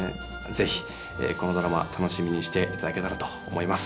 是非このドラマ楽しみにしていただけたらと思います。